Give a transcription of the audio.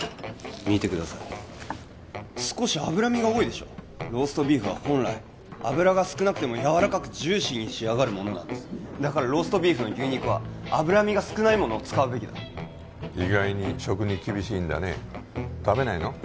見てください少し脂身が多いでしょローストビーフは本来脂が少なくてもやわらかくジューシーに仕上がるものだからローストビーフの牛肉は脂身が少ないものを使うべきだ意外に食に厳しいんだね食べないの？